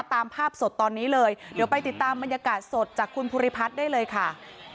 ตามภาพสดตอนนี้เลยเดี๋ยวไปติดตามบรรยากาศสดจากคุณภูริพัฒน์ได้เลยค่ะ